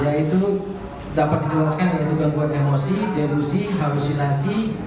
yaitu dapat dijelaskan dengan gangguan emosi delusi halusinasi